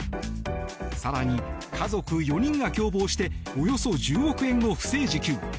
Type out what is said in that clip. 更に、家族４人が共謀しておよそ１０億円を不正受給。